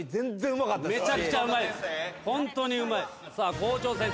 校長先生